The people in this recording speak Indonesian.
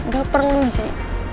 gak perlu ji